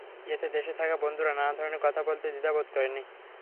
এতে দেশে থাকা বন্ধুরা নানা ধরনের কথা বলতে দ্বিধা বোধ করেনি।